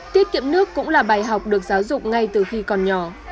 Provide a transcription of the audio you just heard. tiết kiệm nước cũng là bài học được giáo dục ngay từ khi còn nhỏ